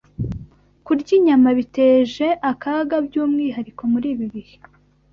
Kurya Inyama Biteje Akaga by’Umwihariko muri Ibi Bihe